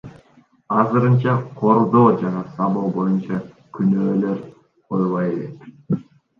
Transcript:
Азырынча кордоо жана сабоо боюнча күнөөлөр коюла элек.